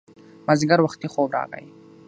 مازیګر وختي خوب راغی